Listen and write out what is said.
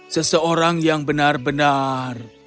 seseorang yang benar benar